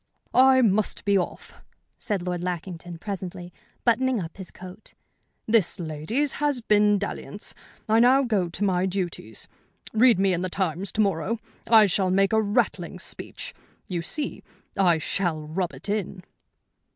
"I must be off," said Lord Lackington, presently, buttoning up his coat. "This, ladies, has been dalliance. I now go to my duties. Read me in the Times to morrow. I shall make a rattling speech. You see, I shall rub it in."